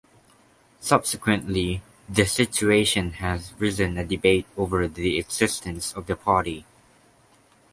Subsequently, the situation has risen a debate over the existence of the party.